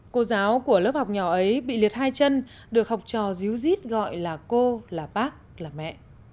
cô giáo của lớp học nhỏ ấy bị liệt hai chân được học trò díu dít gọi là cô là bác là mẹ